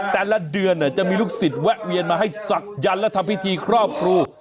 แต่ละเดือนจะมีลูกศิษย์แวะเวียนมาให้ศักยันต์และทำพิธีครอบครู